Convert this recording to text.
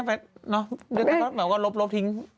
เนอะเดี๋ยวต่อมาก็รบทิ้ง